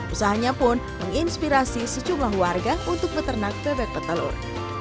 usahanya pun menginspirasi sejumlah warga untuk beternak bebek petelur